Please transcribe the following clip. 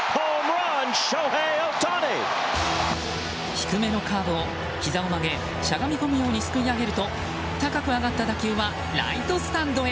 低めのカーブをひざを曲げしゃがみ込むようにすくい上げると高く上がった打球はライトスタンドへ。